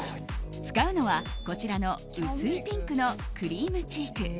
使うのは、こちらの薄いピンクのクリームチーク。